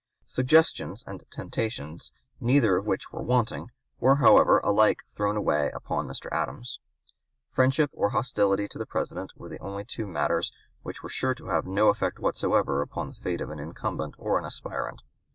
Suggestions and temptations, neither of which were wanting, were however alike thrown away upon Mr. Adams. Friendship or hostility to the President were the only two matters which were sure to have no effect whatsoever upon the fate of an incumbent or an aspirant.